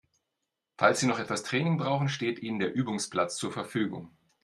Falls Sie noch etwas Training brauchen, steht Ihnen der Übungsplatz zur Verfügung.